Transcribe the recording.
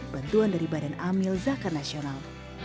bantuan dari badan amil zakat nasional